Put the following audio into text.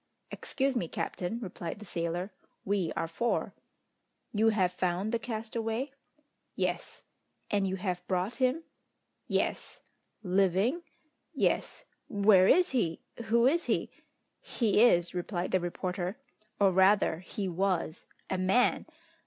"Excuse me, captain," replied the sailor, "we are four." "You have found the castaway?" "Yes." "And you have brought him?" "Yes." "Living?" "Yes." "Where is he? Who is he?" "He is," replied the reporter, "or rather he was, a man!